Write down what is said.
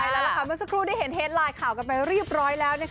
เมื่อสักครู่ได้เห็นเฮ็ดไลน์ข่าวกันไปเรียบร้อยแล้ว